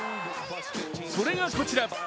それがこちら。